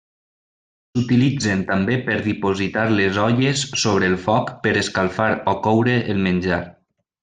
S'utilitzen també per dipositar les olles sobre el foc per escalfar o coure el menjar.